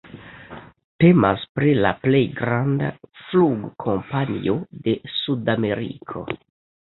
Temas pri la plej granda flugkompanio de Sudameriko.